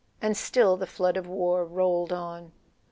And still the flood of war rolled on.